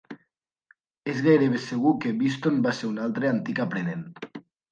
És gairebé segur que Beeston va ser un altre antic aprenent.